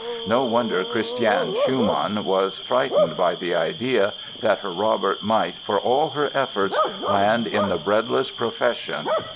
No wonder Christiane Schumann was frightened by the idea that her Robert might, for all her efforts, land in the "breadless profession".